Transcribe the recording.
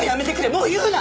もう言うな！